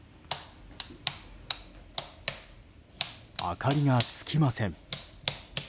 明かりがつきません。